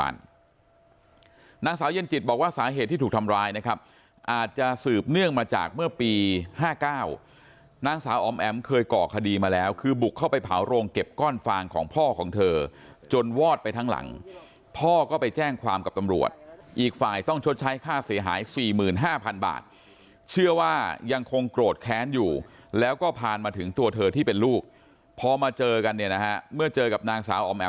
อาจจะสืบเนื่องมาจากเมื่อปี๕๙นางสาวอ๋อมแอมเคยก่อคดีมาแล้วคือบุกเข้าไปเผาโรงเก็บก้อนฟางของพ่อของเธอจนวอดไปทั้งหลังพ่อก็ไปแจ้งความกับตำรวจอีกฝ่ายต้องชดใช้ค่าเสียหาย๔๕๐๐๐บาทเชื่อว่ายังคงโกรธแค้นอยู่แล้วก็ผ่านมาถึงตัวเธอที่เป็นลูกพอมาเจอกันเมื่อเจอกับนางสาวอ๋อมแอ